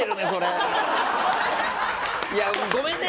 いやごめんね！